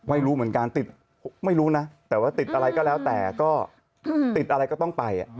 ไม่รู้เหมือนกันติดไม่รู้นะแต่ว่าติดอะไรก็แล้วแต่ก็ติดอะไรก็ต้องไป